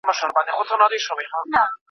مور او پلار بايد لور ته څه ډول لارښوونه وکړي؟